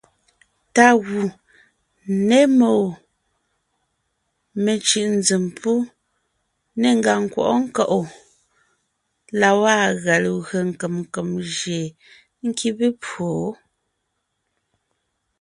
Tá gù, ne má gu, me cʉ̀ʼ nzèm gù, ne ngàŋ nkwɔʼɔ́ nkáʼ gù la gwaa gʉa legwé nkèm nkèm jÿeen nkíbe pwó jú.